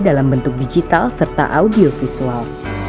dalam bentuk digital serta audiovisual